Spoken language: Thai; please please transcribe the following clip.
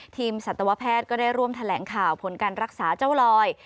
สัตวแพทย์ก็ได้ร่วมแถลงข่าวผลการรักษาเจ้าลอย